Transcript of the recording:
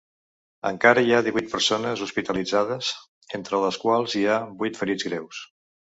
Encara hi ha divuit persones hospitalitzades, entre les quals hi ha vuit ferits greus.